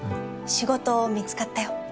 仕事見つかったよ。